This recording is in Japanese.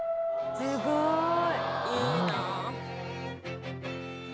すごい。